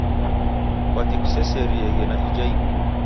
Kwaki kuseserie na ija imu